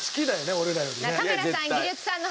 俺らよりね。